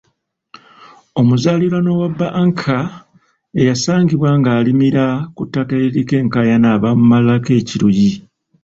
Omuzaaliranwa wa ba Acer eyasangibwa ng'alimira ku ttaka eririko enkaayana baamumalirako ekiruyi.